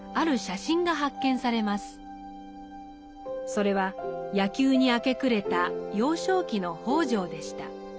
それは野球に明け暮れた幼少期の北條でした。